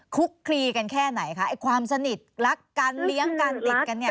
คุกคลีกันแค่ไหนคะความสนิทรักกันเลี้ยงกันติดกันอย่างไร